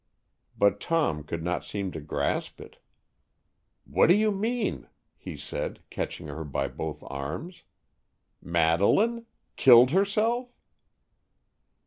But Tom could not seem to grasp it. "What do you mean?" he said, catching her by both arms. "Madeleine? Killed herself?"